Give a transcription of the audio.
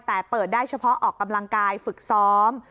แต่เปิดได้เฉพาะออกกำลังกายฝึกซ้อม